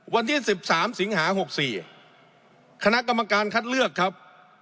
วันที่สิบสามสิงหาหกสี่คณะกรรมการคัดเลือกครับ